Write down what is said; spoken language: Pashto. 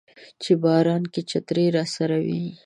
چې په باران کې چترۍ راسره وي